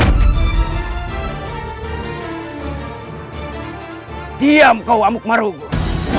hai diam kau amuk meruguk